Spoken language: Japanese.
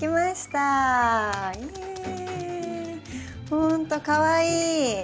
ほんとかわいい！